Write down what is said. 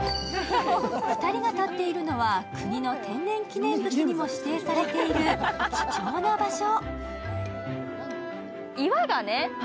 ２人が立っているのは国の天然記念物にも指定されている貴重な場所。